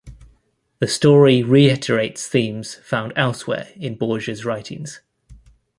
The story reiterates themes found elsewhere in Borges's writings.